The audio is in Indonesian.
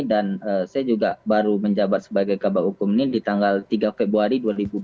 dan saya juga baru menjabat sebagai kabar hukum ini di tanggal tiga februari dua ribu dua puluh enam